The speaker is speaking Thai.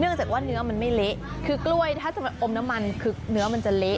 จากว่าเนื้อมันไม่เละคือกล้วยถ้าจะอมน้ำมันคือเนื้อมันจะเละ